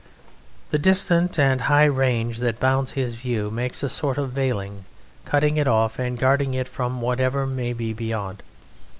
The distant and high range that bounds his view makes a sort of veiling, cutting it off and guarding it from whatever may be beyond.